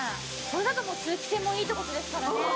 これだと通気性もいいって事ですからね。